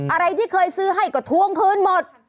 อะไรที่เคยซื้อให้ก็ทวงคืนหมด